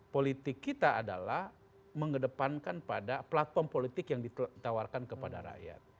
politik kita adalah mengedepankan pada platform politik yang ditawarkan kepada rakyat